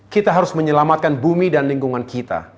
kita harus menyelamatkan bumi dan lingkungan kita